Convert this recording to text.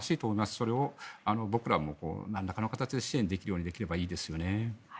それを僕らもなんらかの形で支援できるようにできればいいですよね。